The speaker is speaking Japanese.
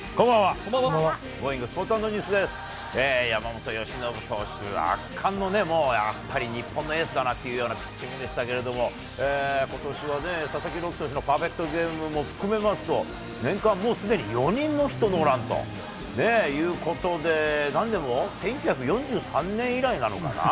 山本由伸投手、圧巻の、やっぱり日本のエースだなっていうようなピッチングでしたけれども、ことしはね、佐々木朗希投手のパーフェクトゲームも含めますと、年間もうすでに４人ノーヒットノーランということで、なんでも１９４３年以来なのかな。